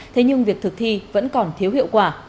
thế nhưng việc thực thi vẫn còn thiếu hiệu quả